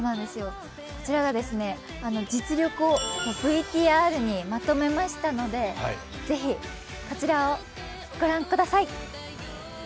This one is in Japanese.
実力をＶＴＲにまとめましたので、ぜひこちらを御覧ください。